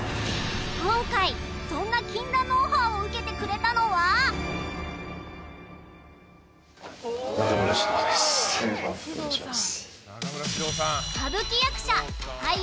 今回そんな禁断のオファーを受けてくれたのはお願いします